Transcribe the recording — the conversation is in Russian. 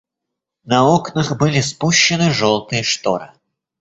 На окнах были спущены жёлтые шторы.